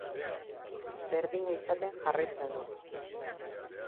Berdina izaten jarraitzen du.